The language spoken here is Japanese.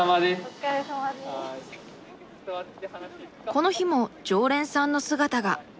この日も常連さんの姿が。